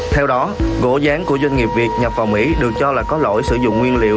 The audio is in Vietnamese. theo đó gỗ rán của doanh nghiệp việt nhập vào mỹ được cho là có lỗi sử dụng nguyên liệu